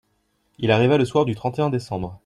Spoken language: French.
Il arriva le soir du trente et un décembre.